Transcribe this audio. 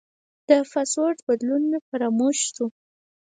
د پاسورډ بدلون مې فراموش شو.